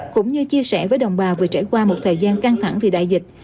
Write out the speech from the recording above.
cũng như chia sẻ với đồng bào vừa trải qua một thời gian căng thẳng vì đại dịch